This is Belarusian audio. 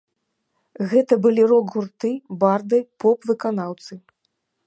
Гэта былі рок-гурты, барды, поп-выканаўцы.